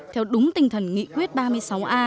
theo đúng tinh thần nghị quyết ba mươi sáu a